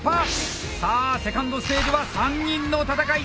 さあ２ｎｄステージは３人の戦い